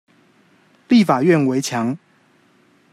立法院圍牆